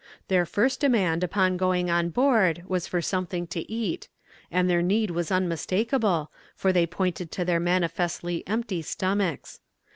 Their first demand upon going on board was for something to eat; and their need was unmistakable, for they pointed to their manifestly empty stomachs.